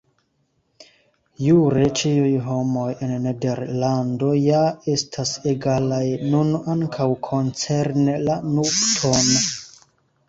Jure ĉiuj homoj en Nederlando ja estas egalaj, nun ankaŭ koncerne la nupton.